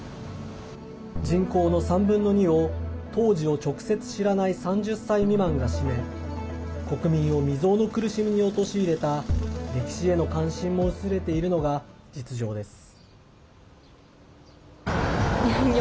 人口の３分の２を、当時を直接知らない３０歳未満が占め国民を未曽有の苦しみに陥れた歴史への関心も薄れているのが実情です。